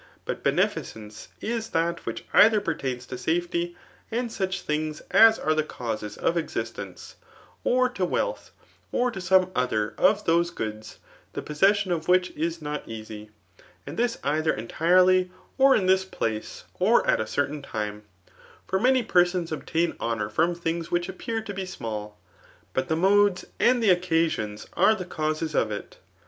But ben^ence is that which other pertains to safety, and such tiMogt.as are the C8us9 of existence^ or to ivioalib/ or lo some other of Axmt goods^ the possession of which is not easy ; and this ehhw endidy, or in this place, ov at a certain time* For many persons obtain honour from things which appear to be small; but the modes and the occasions are the causes of it.